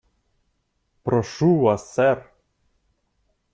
Прошу вас, сэр.